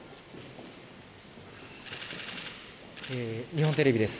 日本テレビです。